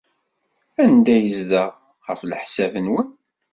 Anda ay yezdeɣ, ɣef leḥsab-nwen?